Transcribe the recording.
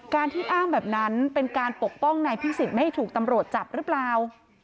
การที่อ้างแบบนั้นเป็นการปกป้องนายพิสิทธิไม่ให้ถูกตำรวจจับหรือเปล่า